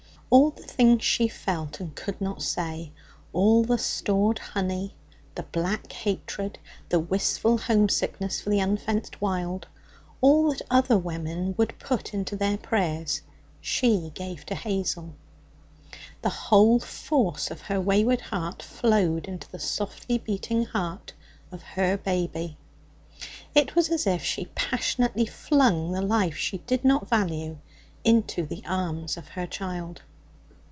All the things she felt and could not say, all the stored honey, the black hatred, the wistful homesickness for the unfenced wild all that other women would have put into their prayers, she gave to Hazel. The whole force of her wayward heart flowed into the softly beating heart of her baby. It was as if she passionately flung the life she did not value into the arms of her child.